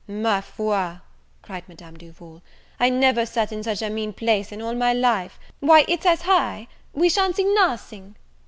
"Ma foi," cried Madame Duval, "I never sat in such a mean place in all my life; why, it's as high we shan't see nothing."